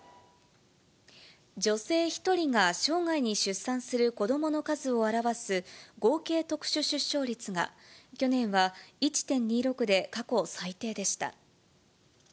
女性１人が生涯に出産する子どもの数を表す、合計特殊出生率が去年は１．２６で、過去最低でした。